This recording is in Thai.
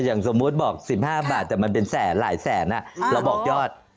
อย่างสมมุติบอก๑๕บาทแต่มันเป็นแสนหลายแสนเราบอกยอด